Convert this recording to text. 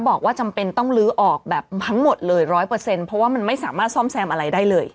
บอกว่าจำเป็นต้องลื้อออกแบบทั้งหมดเลยร้อยเปอร์เซ็นต์เพราะว่ามันไม่สามารถซ่อมแซมอะไรได้เลย